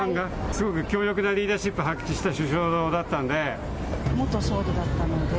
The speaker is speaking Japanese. すごく強力なリーダーシップ発揮した首相だったので。